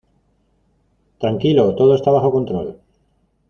Tranquilo. Todo está bajo control .